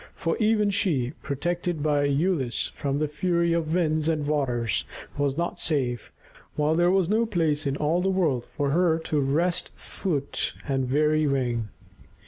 For even she, protected by Æolus from the fury of winds and waters, was not safe while there was no place in all the world for her to rest foot and weary wing.